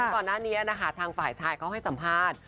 ก่อนหน้านี้นะคะทางฝ่ายชายเขาให้สัมภาษณ์